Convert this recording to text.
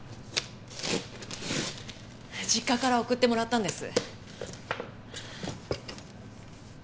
実家から送ってもらったんです。